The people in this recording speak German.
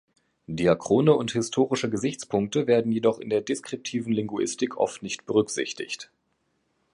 Diachrone und historische Gesichtspunkte werden jedoch in der deskriptiven Linguistik oft nicht berücksichtigt.